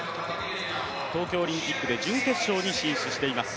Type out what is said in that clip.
東京オリンピックで準決勝に進出しています。